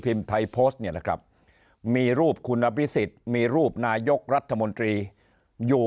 พิมพ์ไทยโพสต์มีรูปคุณอภิษฎิ์มีรูปนายกรัฐมนตรีอยู่